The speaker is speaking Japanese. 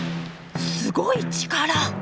すごい力！